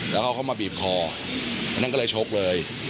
แล้วเขาก็มาบีบคออันนั้นก็เลยชกเลย